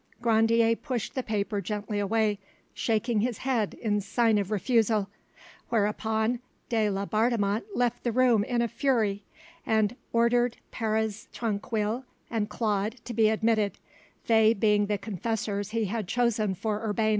Grandier pushed the paper gently away, shaking his head in sign of refusal, whereupon de Laubardemont left the room in a fury, and ordered Peres Tranquille and Claude to be admitted, they being the confessors he had chosen for Urbain.